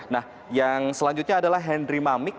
nah yang selanjutnya adalah henry mamik